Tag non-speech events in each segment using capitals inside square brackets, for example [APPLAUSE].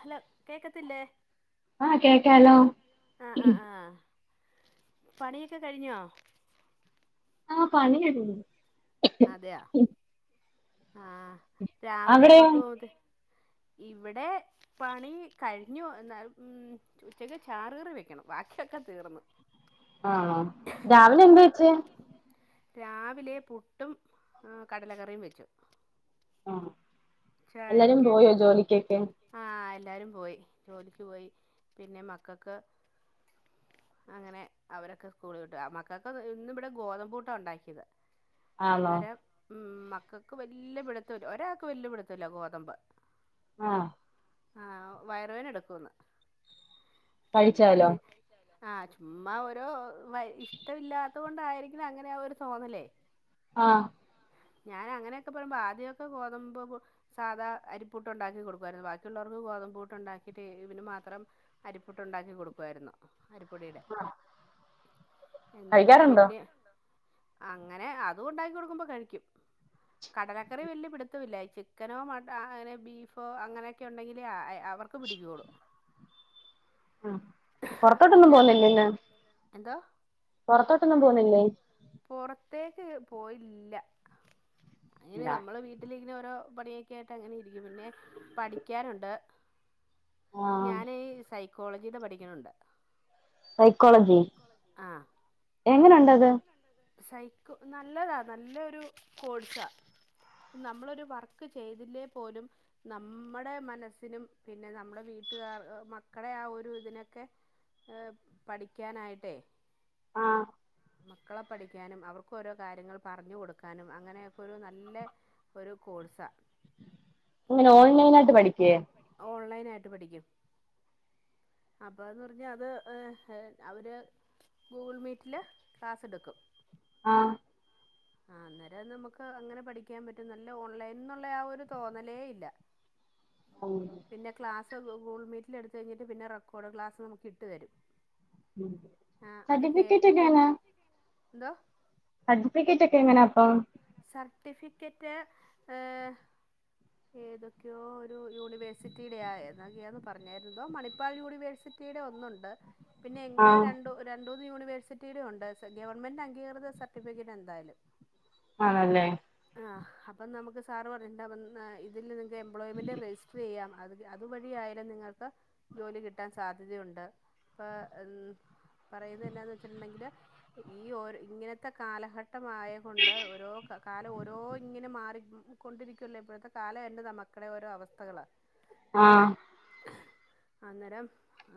Hello കേക്കത്തില്ലേ. ആഹ് ആഹ് ആഹ് പണിയൊക്കെ കഴിഞ്ഞോ. ആഹ് പണി കഴിഞ്ഞു. അതെയോ. ആഹ് രാവിലെ മക്കള് പോത് ഇവിടെ. പണി കഴിഞ്ഞു എന്നാ ഉം. ഉച്ചക്ക് ചാറ് കറി വെക്കണം വാക്കിഒക്കെ തീർന്ന്. രാവിലെ എന്താ ഇട്ടെ. രാവിലെ പുട്ടും കടലക്കറിയും വെച്ചു. ആഹ്. ചായക്ക്. ആഹ് എല്ലാരും പോയി ജോലിക്ക് പോയി പിന്നെ മക്കക്ക്. അങ്ങനെ അവരൊക്കെ സ്കൂള് വിട്ടു മക്കക്ക് ഇന്ന് ഇവിടെ ഗോതമ്പ് പുട്ടാ ഉണ്ടാക്കിയത്. അന്നേരം ഉം മക്കക്ക് വല്ല്യ പിടുത്തല്ല ഒരാക്ക് വല്യ പിടുത്തല്ല ഗോതമ്പ്. ആഹ്. ആഹ് വയറുവേദന എടുക്കുംന്ന് [UNINTELLIGIBLE] ആഹ് ചുമ്മാ ഓരോ വ ഇഷ്ട വില്ലാത്ത കൊണ്ടായിരിക്കും അങ്ങനെ ആ ഒരു തോന്നലെ. ആഹ്. ഞാനങ്ങനെയൊക്കെ പറയുമ്പോ ആദ്യമൊക്കെ ഗോതമ്പ ബൊ സാദാ അരിപുട്ടുണ്ടാക്കി കൊടുക്കുമാരുന്നു. ബാക്കിയുള്ളോർക്ക് ഗോതമ്പ് പുട്ടുണ്ടാക്കിട്ട് ഇവന് മാത്രം അരിപുട്ടുണ്ടാക്കി കൊടുക്കുവായിരുന്നു. അരിപ്പൊടിയുടെ. എന്നല് പിന്നെ അങ്ങനെ അതു ണ്ടാക്കി കൊടുക്കുമ്പോ കഴിക്കും. കടലക്കറി വല്യ പിടുത്തമില്ല ചിക്കനോ മ അങ്ങനെ ബീഫോ അങ്ങനെയൊക്കെ ഉണ്ടെങ്കിലേ അയ അവർ ക്ക് പിടിക്കോളൂ. ആഹ് പൊറത്തോട്ടൊന്നും പോന്നില്ലല്ലോ. എന്തോ? പൊറത്തോട്ടൊന്നും പോന്നില്ലേ? പൊറത്തേക്ക് പോയില്ല. അയിന് നമ്മള് വീ ട്ടിലിങ്ങനെ ഓരോ പണിയൊക്കെ ആയിട്ട് അങ്ങനിരിക്കും. പിന്നെ പഠിക്കാനുണ്ട്. ഞാനീ സൈക്കോളജിടെ പഠിക്ക്ണുണ്ട്. സൈക്കോളജി എങ്ങനെണ്ടത്? സൈക്കോ നല്ലതാ നല്ലൊരു കോഴ്സാ. പ്പം നമ്മളൊരു വർക്ക് ചെയ്തില്ലേ പോലും നമ്മടെ മനസ്സിനും പിന്നെ നമ്മളെ വീട്ടുകാർ മക്കളെ ആ ഒരു തിനൊക്കെ. ഏ പഠിക്കാനായിട്ടേ ആഹ്. മക്കളെ പഠിക്കാനും അവർക്കോരോ കാര്യങ്ങൾ പറഞ്ഞു കൊടുക്കാനും അങ്ങനെയൊക്കൊരു നല്ലെ ഒരു കോഴ്സാ. എങ്ങനെ ഓൺലൈനായിട്ട് പഠിക്കേ? അഹ് ഓൺലൈനായിട്ട് പഠിക്കും. അപ്പന്ന് പർഞ്ഞാ അത് എ ഹെ അവര് ഗൂഗിൾ മീറ്റില് ക്ലാസെടുക്കും. ആഹ്. ആ അന്നേരം നമുക്ക് അങ്ങനെ പഠിക്കാൻ പറ്റും. നല്ല ഓൺലൈൻന്നുള്ള ആ ഒരു തോന്നലേ ഇല്ല. [INAUDIBLE] ഉ പിന്നെ ക്ലാസ് ഗ ഗൂഗ്ൾ മീറ്റിലെടുത്ത് കഴിഞ്ഞിട്ട് പിന്നെ റെക്കോഡിംഗ് ക്ലാസ് നമുക്കിട്ട് തരും. ആഹ് അത് കേട്ടിട്ട് ന്തോ? സർട്ടിഫിക്കറ്റൊക്കെങ്ങനാ പ്പൊ? സർട്ടിഫിക്കറ്റ് ഏ ഏതൊക്കെയോ ഒരു യൂണിവേഴ്സിറ്റിയുടെയൊക്കെയാന്ന് പറഞ്ഞായിരുന്നു. മണിപ്പാൾ യൂണിവേഴ്സി റ്റീടെ ഒന്നുണ്ട് പിന്നെ എങ്ങനെയോ രണ്ട് ഒ രണ്ടൂന്ന് യൂണിവേഴ്സിറ്റിടെ ഉണ്ട്. സ ഗവൺമെന്റ് അംഗീകൃത സർട്ടിഫിക്കറ്റെന്തായാലും. ആണല്ലേ. ആഹ് അപ്പം നമുക്ക് സാറ് പറയണ്ടാവും ന്നാ ഇതില് നിങ്ങക്ക് എംപ്ലോയ്മെന്റ് രജിസ്റ്റർ ചെയ്യാന്ന്. അത് അതുവഴി ആയാലും നിങ്ങൾക്ക് ജോലി കിട്ടാൻ സാധ്യതയുണ്ട്. പ്പ എൻ പറയുന്നെന്നാന്ന് വെച്ചിട്ടുണ്ടെങ്കില് ഈ ഒര് ഇങ്ങനത്തെ കാലഘട്ടമായ കൊണ്ട് ഓരോ ക കാലം ഓരോ ഇങ്ങനെ മാറി കൊണ്ടിരിക്കുവല്ലേ ഇപ്പോഴത്തെ കാല തന്നെന്ന മക്കടെ ഓരോ അവസ്ഥകള് ആഹ്. അന്നേരം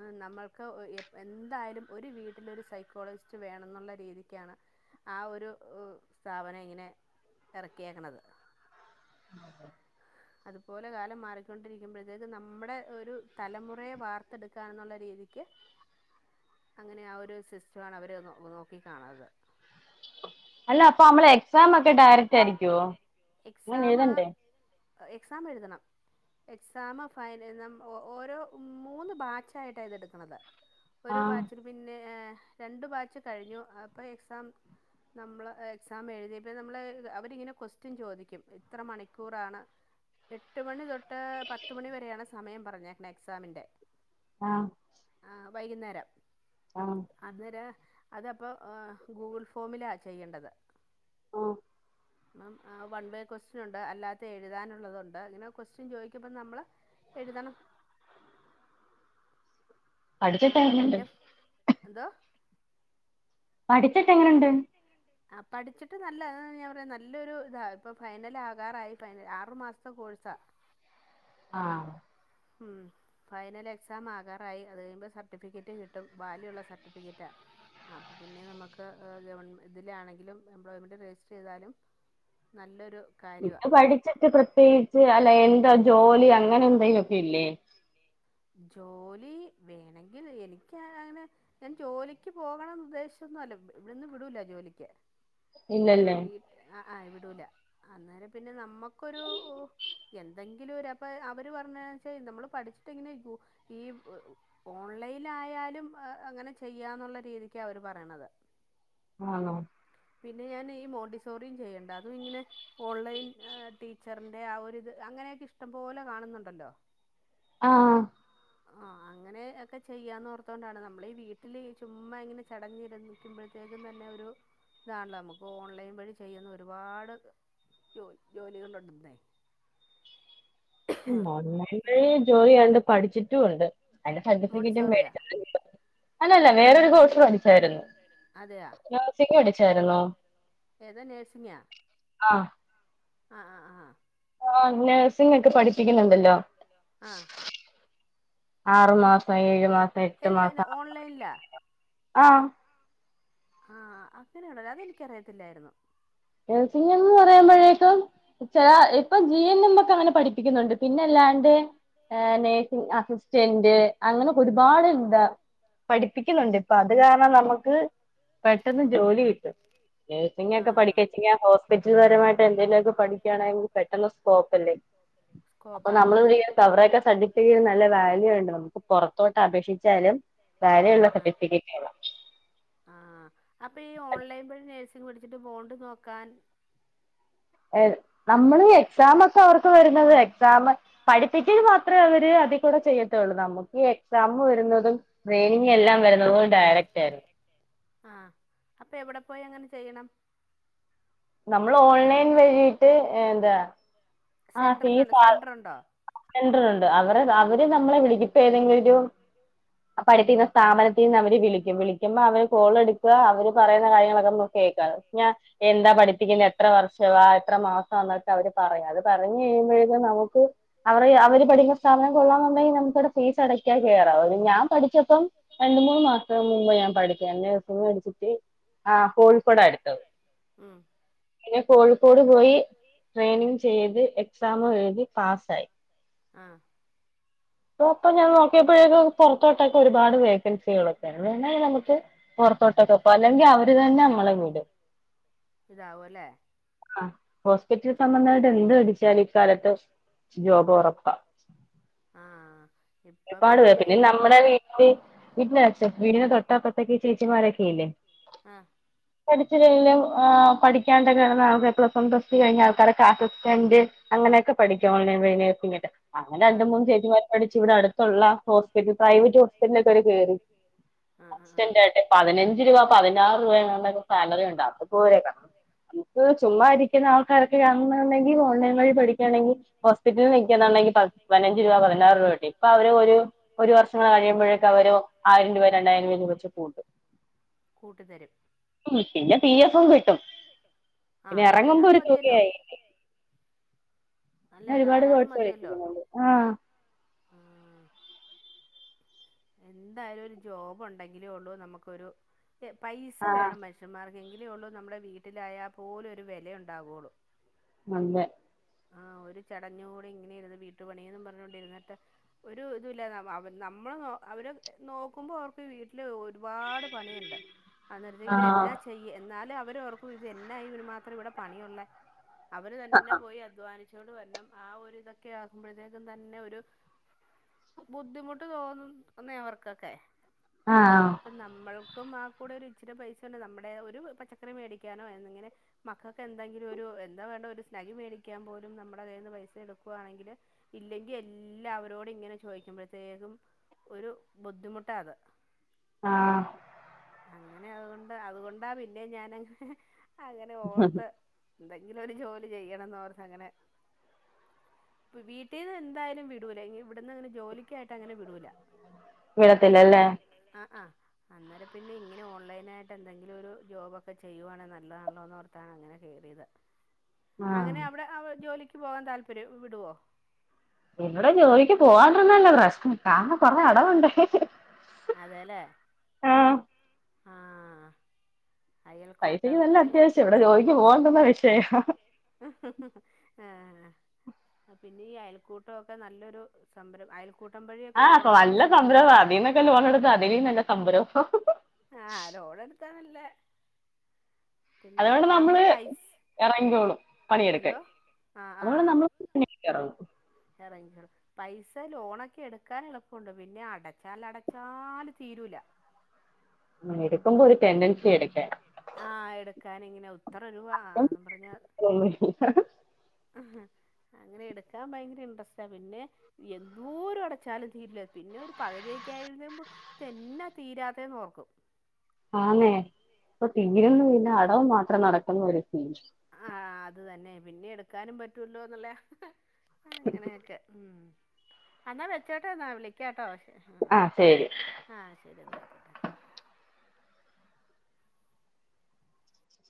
ഏയ് നമ്മൾക്ക് ഒ എപ് എന്തായാലും ഒരു വീട്ടിലൊരു സൈക്കോളജിസ്റ്റ് വേണം ന്നുള്ള രീതിയ്ക്കാണ് ആ ഒരു സ്ഥാപനം ഇങ്ങനെ ഇറക്കിയേക്ക്ണത് [INAUDIBLE] അതുപോലെ കാലം മാറിക്കൊണ്ടിരിക്കുമ്പൊഴത്തേക്ക് നമ്മടെ ഒരു തലമുറയെ വാർത്തെടുക്കാനെന്നുള്ള രീതിക്ക് അങ്ങനെ ആ ഒരു സിസ്റ്റവാണ് അവര് നൊ നോക്കി കാണത് [UNINTELLIGIBLE] അപ്പൊ അമ്മളെ എക്സാമൊക്കെ ഡയറക്ടായിരിയ്ക്കോ? എക്സാമ് അ എക്സാമെഴുതണം. എക്സാമ് ഫൈന നമ്മ് ഓ ഓരോ ഉം മൂന്ന് ബാച്ചായിട്ടാ ഇത് എട്ക്ക്ണത് ഒരു ബാച്ച്ന് പിന്നെ ഏഹ് രണ്ടു ബാച്ച് കഴിഞ്ഞു. അപ്പ എക്സാം നമ്മള് എക്സാം എഴുതിയപ്പോ നമ്മള് അവരിങ്ങനെ ക്വസ്റ്റ്യൻ ചോദിക്കും ഇത്ര മണിക്കൂറാണ് എട്ട് മണി തൊട്ട് പത്ത് മണി വരെയാണ് സമയം പറഞ്ഞേക്ക്ണെ എക്സാമിന്റെ ആഹ് ആഹ്, വൈകുന്നേരം ആഹ്. അന്നേരം അത് അപ്പോ ഗൂഗിൾ ഫോമിലാ ചെയ്യേണ്ടത്. ഓഹ് മാം ആഹ്, വൺ വേ ക്വസ്റ്റനൊണ്ട് അല്ലാത്ത ഏഴ് എഴുതാനുള്ളതുണ്ട്, അങ്ങനെ ക്വസ്റ്റൻ ചോയ്ക്കുമ്പം നമ്മള് എഴുതണം. ആഹ് പിന്നെ എന്തോ പഠിച്ചിട്ടെങ്ങനുണ്ട്. ആഹ് പഠിച്ചിട്ട് നല്ല ഞാൻ പറയാ നല്ലൊരു താ ഇപ്പം ഫൈനലാകാറായി ഫൈനൽ ആറു മാസത്തെ കോഴ്സാ ആഹ് ഉം ഫൈനൽ എക്സാം ആകാറായി. അത് കഴിയുമ്പം സർട്ടിഫിക്കറ്റ് കിട്ടും. വാല്യുള്ള സർട്ടിഫിക്കറ്റാ. ആഹ് അപ്പം പിന്നെ നമുക്ക് ഏഹ് ഗവൺമെ ഇതിലാണെങ്കിലും എംപ്ലോയ്മെൻറ് രജിസ്റ്റർ ചെയ്താലും നല്ലൊരു മിത്തു പഠിച്ചിട്ട് പ്രത്യേകിച്ച് അല്ല എന്താ ജോലി അങ്ങനെ എന്തേയ്ലൊക്കെ ഇല്ലേ ജോലി വേണെങ്കിൽ എനിയ്ക്കാ അങ്ങനെ ഞാൻ ജോലിയ്ക്ക് പോകണന്ന് ഉദ്ദേശിച്ചൊന്നു അല്ല വ് ഇവിടെന്ന് വിടൂല ജോലിയ്ക്ക്. അപ്പ വീട്ട് ആഹ് ആഹ് വിടൂല അന്നേര പിന്നെ നമ്മക്കൊരു എന്തെങ്കിലും ഒരു അപ്പൊ അവര് പറഞ്ഞ വെച്ചാ നമ്മള് പഠിച്ചിട്ട് എങ്ങനെയ്ക്കൂ ഈ ഓൺലൈൻ ആയാലും അങ്ങനെ ചെയ്യാന്നുള്ള രീതിയ്ക്കാ അവര് പറയ്ണത്. ആന്നോ പിന്നെ ഞാൻ ഈ മോണ്ടിസോറിയും ചെയ്യണ്ട് അതും ഇങ്ങിനെ ഓൺലൈൻ ആ ടീച്ചർന്റെ ആ ഒരിത് അങ്ങനെയൊക്കെ ഇഷ്ടം പോലെ കാണുന്നുണ്ടല്ലോ. ആഹ് [UNINTELLIGIBLE] ആഹ് അങ്ങനെ ഒക്കെ ചെയ്യാന്നോർത്തോണ്ടാണ് നമ്മളീ വീട്ടിലീ ചുമ്മ ഇങ്ങനെ ചടഞ്ഞിരുന്ന് ക്കുമ്പളത്തേക്കും തന്നെ ഒരു ഇതാൺള്ളൊ നമുക്ക് ഓൺലൈൻ വഴി ചെയ്യുന്ന ഒരുപാട് ജോലി ജോലികളുണ്ടുന്നേ [UNINTELLIGIBLE] ഉം ഓൺലൈൻല് ജോലിയാണ്ട് പഠിച്ചിട്ടും ഉണ്ട്. അതിന്റെ സർട്ടിഫിക്കറ്റ് മേടി [UNINTELLIGIBLE] അല്ലല്ല വേറൊരു കോഴ്സ് പഠിച്ചാരുന്നു [UNINTELLIGIBLE] പടിച്ചാരുന്നോ ആഹ് ആഹ് ആഹ് ആഹ് ആഹ് ആഹ് നഴ്സിംഗ് ഒക്കെ പഠിപ്പിക്ക്ന്ന് ണ്ട ല്ലോ ആർമാസം ഏഴ് മാസം എട്ട് മാസം ആഹ് ആഹ് അങ്ങനെയാണല്ലേ അതെനിക്കറിയത്തില്ലാരുന്നു നഴ്സിംഗ് ന്ന് പറയുമ്പോഴേക്കും ചെല ഇപ്പം ജി എൻ എം ഒക്കെ അങ്ങനെ പഠിപ്പിക്കുന്നുണ്ട് പിന്നെല്ലാണ്ട് ഏഹ് നേഴ്സിങ് അസിസ്റ്റന്റ് അങ്ങനെ ഒരുപാട്ന്താ പഠിപ്പിക്കുന്നുണ്ട് ഇപ്പ അത് കാരണം നമുക്ക് പെട്ടെന്ന് ജോലി കിട്ടും നേഴ്സിംഗ് ഒക്കെ പഠിക്ക പിന്നേ ഹോസ്പിറ്റൽപരമായിട്ട് എന്തെ ലൊക്ക പഠിക്കാണെങ്കി പെട്ടന്ന് സ്കോപ്പ് എല്ലേ അപ്പൊ നമ്മൾ എന്തിയ [UNINTELLIGIBLE] സർട്ടിഫിക്കറ്റ് നല്ല വാല്യു ഉണ്ട് നമുക്ക് പെറത്തോട്ട് അപേക്ഷിച്ചാലും വ്യാലു ഉള്ള സർട്ടിഫിക്കറ്റ് വേണം അപ്പ ഈ ഓൺലൈൻ വഴി നേഴ്സിംഗ് പിടിച്ചിട്ട് ബോണ്ട്നോക്കാൻ ഏത് നമ്മള് ഈ എക്സാം ഒക്കെ അവർക്ക് വരുന്നത് എക്സാം പഠിപ്പിക്കൽ മാത്രേ അവര് അതി കൂടെ ചെയ്യ ത്തൊള്ളൂ നമുക്ക് എക്സാം വരുന്നതും ട്രെയിനിങ് എല്ലാം വരുന്നതും ഡയറക്റ്റ് ആ ആഹ് അപ്പൊ എവടെ പോയി അങ്ങനെ ചെയ്യണം നമ്മൾ ഓൺലൈൻ വഴീട്ട് എന്താ ആഹ് ഫീസ് സെന്റർ ഇണ്ട് അവരെ അവര് നമ്മളെ വിളി ഏതെങ്കിലും പഠിപ്പിക്കുന്ന സ്ഥാപനത്തിന്ന് അവര് വിളിക്കും വിളി വിളിക്കുമ്പ അവര് കോൾ എടുക്ക അവര് പറയുന്ന കാര്യങ്ങളൊക്കൊന്ന് കേക്ക ഞാ എന്താ പഠിപ്പിക്കുന്ന് എത്ര വർഷ വാ എത്ര മാസാന്നൊക്കെ അവര് പറയും അത് പറഞ് കഴിയുമ്പഴ് നമുക്ക് അവ അവര് പറിന്ന സ്ഥാപനം കൊള്ളാന്നുണ്ടെങ്കിൽ നമുക്കവടെ ഫീസ് അട ക്ക കേറാ ഞാ പഠിച്ചപ്പം രണ്ട് മൂന്ന് മാസം മുമ്പ് ഞാൻ പഠിച്ചേ നഴ്സിംഗ് പഠിച്ചിട്ട് ആഹ് കോഴിക്കോട് അട്ത്ത് പിന്നെ കോഴിക്കോട് പോയി ട്രെയിനിങ് ചെയ്ത് എക്സാമും എഴുതി പാസ്സായി ആഹ് ഇപ്പോ ഞാൻ നോക്കിയപ്പഴേക്കും പൊറത്തോട്ടൊക്കെ ഒരു പാട് വേക്കൻസികൾ ഒക്കെ [UNINTELLIGIBLE] നമുക്ക് പൊറത്തോട്ടൊക്കപ്പോ അല്ലെങ്കി അവര് തന്നെ നമ്മള വിടും ഇതാവൊല്ലേ ആഹ് ഹോസ്പിറ്റൽ സംബന്ധമായിട്ട് എന്ത് പഠിച്ചാലും ഇക്കാലത്ത് ജോബ് ഒറപ്പാ ആഹ് ഒരുപാട് പേർക്ക് പിന്നെ നമ്മടെ വീട്ടിൽ [UNINTELLIGIBLE] വീട് ന് തൊട്ട അപ്പർത്തക്കെ ചേച്ചിമാരൊക്കെ ഇല്ലേ ആഹ് പഠിച്ച് കഴിഞ്ഞാ ആഹ് പഠി പഠിക്കാണ്ടക്കെ നടന്ന പ്ലസ് വൺ പ്ലസ് ടു കഴിഞ്ഞ ആൾക്കാരൊക്കെ അസിസ്റ്റന്റ് അങ്ങനെയൊക്കെ പഠിക്ക ഓൺലൈൻ വഴി നഴ്സിംഗ് ഒക്കെ അങ്ങനെ രണ്ട് മൂന്ന് ചേച്ചിമാര് പഠിച്ച് ഇവിടെ അട് ത്തുള്ള ഹോസ്പിറ്റൽ പ്രൈവറ്റ് ഹോസ്പിറ്റൽലൊക്കെ ഓര് കേറി [UNINTELLIGIBLE] പതിനഞ്ച് രൂവ പതിനാറ് രൂവ എങ്ങാണ്ടൊക്കെ സാലറി ഉണ്ടാകും പോയേക്കാം ഇത് ചുമ്മാ ഇരിക്കുന്ന ആൾക്കാരൊക്കെയാണ്ന്ന്ണ്ടെങ്കി ഓൺലൈൻ വഴി പഠി ക്കാണെങ്ങി ഹോസ്പിറ്റല്ല് നിക്കുന്നുണ്ടങ്ങി പ പതിനഞ്ച് രൂവ പതിനാറ് രൂവ കിട്ടി അപ്പ അവര് ഒര് ഒരു വർഷങ്ങനെ കഴിയുമ്പഴേക്ക്‌ അവര് ആയിരം രൂവയോ രണ്ടായിരം രൂവയോ വെച്ച് കൂട്ടും കൂട്ടിത്തരും ഉം പിന്നെ പി എഫ് ആഹ് ധാരാളം മതിയല്ലോ അല്ലേ ധാരാളം മതിയല്ലോ എന്തായാലും ഒരു ജോബ് ഉണ്ടെങ്കിലേ ഉള്ളൂ നമുക്കൊരു പൈസ വേണം മനു ഷ്യൻമാർക്ക്. എങ്കിലേ ഉള്ളൂ നമ്മളെ വീട്ടിലായാ പോലും ഒരു വെല ഉണ്ടാവൊള്ളൂ നല്ലെ ആഹ് ഒരു ചടഞ്ഞ് കൂടി ഇങ്ങനെ ഇരുന്ന് വീട്ടു പണീന്നും പറഞ്ഞോണ്ടിരുന്ന്ട്ട് ഒരു ഇതൂല്ല [UNINTELLIGIBLE] നമ്മളെ നോ അവര് നോക്കുമ്പൊ ഓർക്ക് വീട്ടില് ഒരുപാട് പണിയ്ണ്ട്. അന്നേരത്ത് ഇവർ എന്നാ ചെയ് യ് എന്നാലെ അവരോർക്കൂ ഇത് എന്നാ ഇതിന് മാത്രം ഇവിടെ പണിയുള്ളെ. അവര് തന്നെ പോയി അധ്വാനി ച്ചോണ്ട് വരണം ആ ഒരു ഇതൊക്കെ ആകുമ്പൊഴത്തേക്കും തന്നെ ഒരു ബുദ്ധിമുട്ട് തോന്നുന്നെ അവർക്കൊക്കെ ആഹ് ആഹ് അപ്പം നമ്മൾക്കും ആ കൂടെ ഒരു ഇച്ചിരി പൈസയോണ്ട് നമ്മുടെ ഒരു പച്ചക്കറി മേടിക്കാനോ എന്നിങ്ങനെ മക്കക്ക് എന്തെങ്കിലും ഒരു എന്താ വേണ്ട് ഒരു സ്നഗി മേടിക്കാൻ പോലും നമ്മുടെ കയ്യിന്ന് പൈസ എടുക്കുവാണെങ്കില് ഇല്ലെങ്കി എല്ലാവരോട് ഇങ്ങനെ ചോയ്ക്കുമ്പഴത്തേക്കും ഒരു ബുദ്ധിമുട്ടാ അത് ആഹ് അങ്ങനെ അതുകൊണ്ട് അത്കൊണ്ടാ പിന്നെ ഞാനങ്ങനെ അങ്ങനെ ഓർത്ത് എന്തെങ്കിലൊരു ജോലി ചെയ്യണംന്ന് ഓർത്ത് അങ്ങനെ വീട്ടീന്ന് എന്തായാലും വിടൂല. ഇനി ഇവിടന്ന് അങ്ങനെ ജോലിക്കായിട്ട് അങ്ങനെ വിടൂല വിടത്തില്ലല്ലേ ഉം ആഹ് ആഹ് അന്നേരം പിന്നെ ഇങ്ങനെ ഓൺലൈനായിട്ട് എന്തെങ്കിലും ഒരു ജോബൊക്കെ ചെയ്യുവാണെ നല്ലതാണല്ലോന്ന് ഓർത്താണ് അങ്ങനെ കേറിയത് അങ്ങനെ അവിടെ അ ജോലിക്ക് പോകാൻ താല്പര്യം വിടുവോ ഇവടെ ജോലിക്ക് പോവാണ്ട്ര്ന്നാലാ പ്രശ്നം. കാരണം കൊറേ അടവുണ്ട് അതേലേ ആഹ് പൈസക്ക് നല്ല അത്യാവശ്യ. ഇവിടെ ജോലിക്ക് പോകാണ്ട്ന്നാ വിഷയാ ആഹ് അഹ് പിന്നെ ഈ അയൽക്കൂട്ടം ഒക്കെ നല്ലൊരു സംരം. അയൽക്കൂട്ടം വഴിയൊക്കെ ഒരുപാട് സംരം ഇപ്പൊ ലോണെട്ത്ത അതിലും നല്ല സംഭരം ആഹ് ലോൺ എടുക്കാ നല്ല അതുകൊണ്ട് നമ്മള് എറങ്ങിക്കോളും പണിയെട്ക്കാൻ. അത് കൊണ്ട് നമ്മള് [UNINTELLIGIBLE] [UNINTELLIGIBLE] പൈസ ലോണൊക്കെ എടുക്കാൻ എളുപ്പുണ്ട്. പിന്നെ അടച്ചാൽ അടച്ചാലും തീരൂല ആഹ് എടുക്കുമ്പൊ ഒരു ടെൻഡൻസി എട്ക്കാൻ ആഹ് എടുക്കാൻ ഇങ്ങനെ [UNINTELLIGIBLE] അങ്ങനെ എടുക്കാം ഭയങ്കര ഇൻട്രസ്റ്റാ പിന്നെ എന്തോരും അടച്ചാലും തീരില്ല. പിന്നെ ഒരു പഹ്തിയൊക്കെ ആയി [UNINTELLIGIBLE] തെന്നാ തീരാത്തേന്നോർക്കും ആന്നെ ഇപ്പൊ തീരുന്ന് പിന്നെ അടവ് മാത്രം നടക്കുന്ന ഒരു സീ ആഹ് അത് തന്നെ പിന്നെ എടുക്കാനും പറ്റല്ലോന്ന്ള്ളെ അങ്ങനെയൊക്കെ ഉം എന്നാ വെച്ചോട്ടൊ ന്നാ വിളി ക്കാട്ടോ ശേ ആഹ് ആഹ് ശരി എന്നാ ആയിക്കോട്ടെ